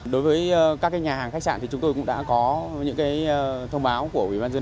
đối với các nhà hàng khách sạn thì chúng tôi cũng đã có những lễ hội mùa đông trong đó thì có một loạt các hoạt động diễn ra